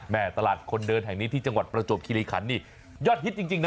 ตลาดคนเดินแห่งนี้ที่จังหวัดประจวบคิริขันนี่ยอดฮิตจริงนะ